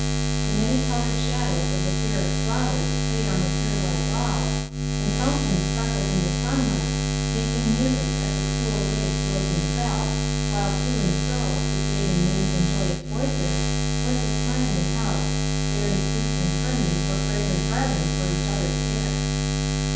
The many colored shadows of the fairest flowers played on the pure white walls, and fountains sparkled in the sunlight, making music as the cool waves rose and fell, while to and fro, with waving wings and joyous voices, went the smiling Elves, bearing fruit and honey, or fragrant garlands for each other's hair.